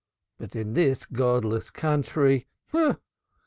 But in this godless country!